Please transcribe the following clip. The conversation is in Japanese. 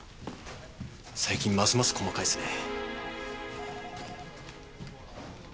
最近ますます細かいですね。